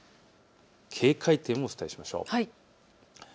警戒点をお伝えしましょう。